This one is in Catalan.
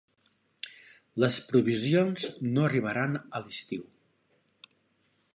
Les provisions no arribaran a l'estiu.